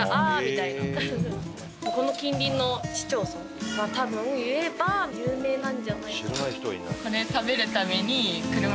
ここの近隣の市町村は多分言えば有名なんじゃないかな。